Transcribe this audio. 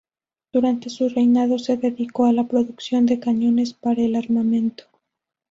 Durante su reinado se dedicó a la producción de cañones para el armamento.